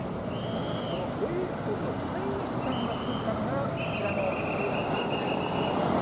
そのエール君の飼い主さんが作ったのが、こちらのドッグカフェです。